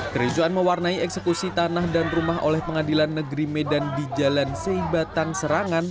kericuan mewarnai eksekusi tanah dan rumah oleh pengadilan negeri medan di jalan seibatan serangan